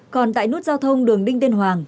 còn tại nút giao thông đường đinh tiên hoàng